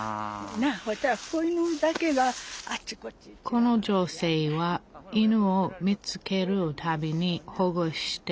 この女性は犬を見つけるたびに保護してきました。